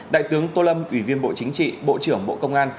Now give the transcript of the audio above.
đại tướng tô lâm ủy viên bộ chính trị bộ trưởng bộ công an